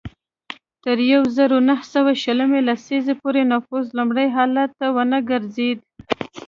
تر یوه زرو نهه سوه شلمې لسیزې پورې نفوس لومړني حالت ته ونه ګرځېد.